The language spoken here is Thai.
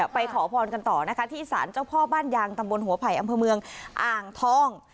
ขอพรกันต่อนะคะที่สารเจ้าพ่อบ้านยางตำบลหัวไผ่อำเภอเมืองอ่างทอง